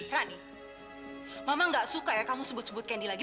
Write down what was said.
rani memang gak suka ya kamu sebut sebut kendi lagi